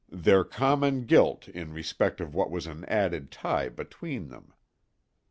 Their common guilt in respect of that was an added tie between them.